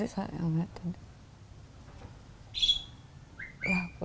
saya tetap sehat gitu